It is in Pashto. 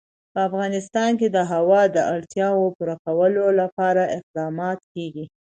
په افغانستان کې د هوا د اړتیاوو پوره کولو لپاره اقدامات کېږي.